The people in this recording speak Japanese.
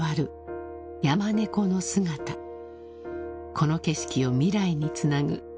［この景色を未来につなぐ］